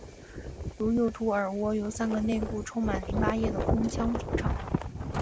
如右图耳蜗由三个内部充满淋巴液的空腔组成。